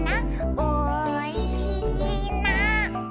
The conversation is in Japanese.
「おいしいな」